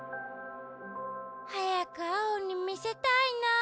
はやくアオにみせたいなあ。